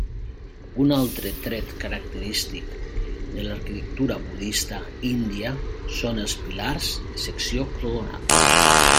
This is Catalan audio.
Un altre tret característic de l'arquitectura budista índia són els pilars de secció octogonal.